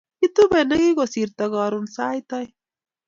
kitubei ne kikosirto karon sait oeng'